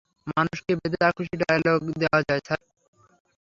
মানুষকে বেঁধে যা খুশি ডায়লগ দেয়া যায়, স্যার!